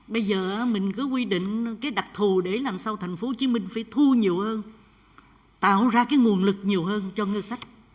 bây giờ mình cứ quy định cái đặt thu để làm sao thành phố hồ chí minh phải thu nhiều hơn tạo ra cái nguồn lực nhiều hơn cho ngân sách